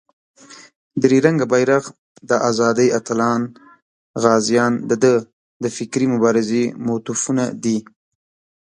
درې رنګه بېرغ، د آزادۍ اتلان، غازیان دده د فکري مبارزې موتیفونه دي.